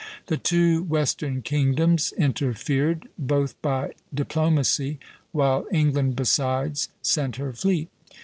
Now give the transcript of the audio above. The two western kingdoms interfered, both by diplomacy, while England besides sent her fleet.